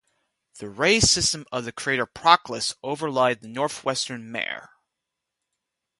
The ray system of the crater Proclus overlie the northwestern mare.